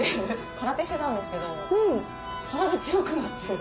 空手してたんですけど体強くなって。